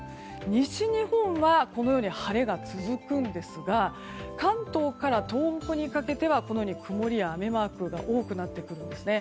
西日本は晴れが続くんですが関東から東北にかけては曇りや雨マークが多くなってくるんです。